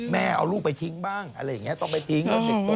แม่เอาลูกไปทิ้งบ้างอะไรอย่างนี้ต้องไปทิ้ง